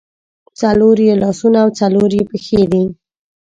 څلور یې لاسونه او څلور یې پښې دي.